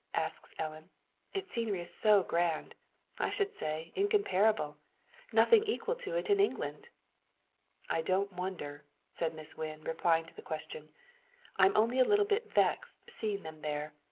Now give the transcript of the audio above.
asks Ellen. "Its scenery is so grand I should say, incomparable; nothing equal to it in England." "I don't wonder," says Miss Wynn, replying to the question. "I'm only a little bit vexed seeing them there.